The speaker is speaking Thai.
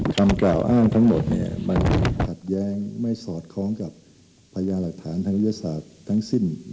คำกล่าวอ้างทั้งหมดมันขัดแย้งไม่สอดคล้องกับพญาหลักฐานทางวิทยาศาสตร์ทั้งสิ้น